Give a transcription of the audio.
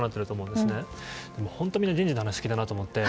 でも本当、みんな人事の話好きだなと思って。